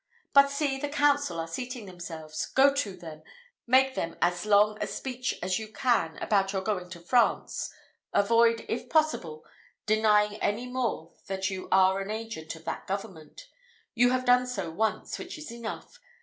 But see, the council are seating themselves! Go to them, make them as long a speech as you can about your going to France; avoid, if possible, denying any more that you are an agent of that government. You have done so once, which is enough.